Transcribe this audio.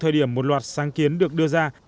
thời điểm một loạt sáng kiến được đưa ra